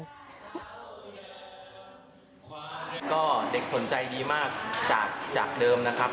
ก็เด็กสนใจดีมากจากเดิมนะครับ